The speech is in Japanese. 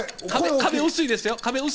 壁、薄いですよ。